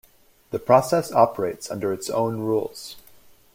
The process operates under its own rules.